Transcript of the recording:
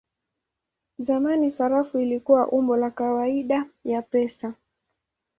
Zamani sarafu ilikuwa umbo la kawaida ya pesa.